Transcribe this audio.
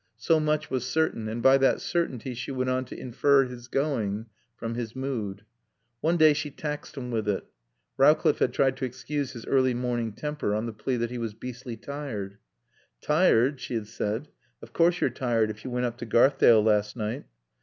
So much was certain, and by that certainty she went on to infer his going from his mood. One day she taxed him with it. Rowcliffe had tried to excuse his early morning temper on the plea that he was "beastly tired." "Tired?" she had said. "Of course you're tired if you went up to Garthdale last night."